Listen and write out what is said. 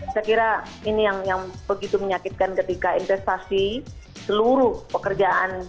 saya kira ini yang begitu menyakitkan ketika investasi seluruh pekerjaan